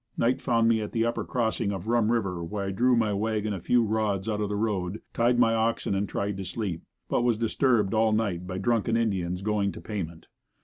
Night found me at the upper crossing of Rum river where I drew my wagon a few rods out of the road, tied my oxen and tried to sleep, but was disturbed all night by drunken Indians "going to payment."